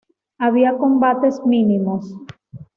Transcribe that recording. Había combates mínimos.